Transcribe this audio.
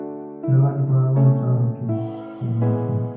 چارواکي په اړونده چارو کې خپلواک دي.